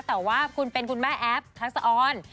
แต่ว่าคุณเป็นคุณแม่แอฟทักษะออน